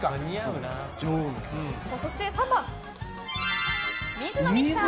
そして３番、水野美紀さん。